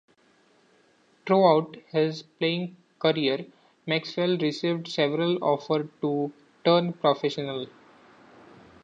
Throughout his playing career, Maxwell received several offers to turn professional.